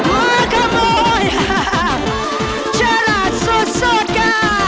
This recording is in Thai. มาค่ะมอยจราชสดค่ะ